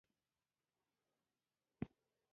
د ناپوهۍ فرضیه د حل لپاره چټک وړاندیزونه کوي.